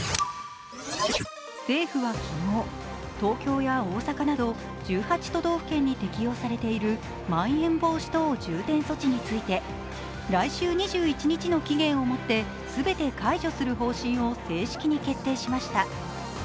政府は昨日、東京や大阪など１８都道府県に適用されているまん延防止等重点措置について来週２１日の期限をもって全て解除する方針を正式に決定しました。